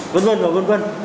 vân vân và vân vân